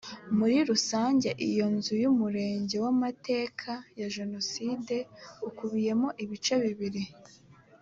muri rusange iyo nzu y’umurage w’amateka ya jenoside ukubiyemo ibice bibiri